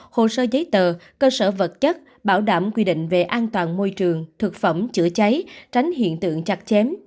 hồ sơ giấy tờ cơ sở vật chất bảo đảm quy định về an toàn môi trường thực phẩm chữa cháy tránh hiện tượng chặt chém